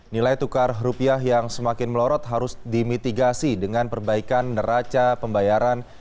nilai tukar rupiah yang semakin melorot harus dimitigasi dengan perbaikan neraca pembayaran